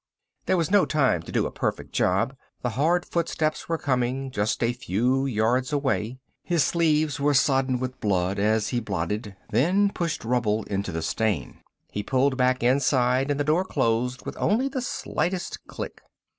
There was no time to do a perfect job, the hard footsteps were coming, just a few yards away. His sleeves were sodden with blood as he blotted, then pushed rubble into the stain. He pulled back inside and the door closed with only the slightest click.